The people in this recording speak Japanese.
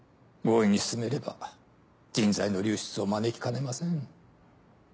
強引に進めれば人材の流出を招きかねません。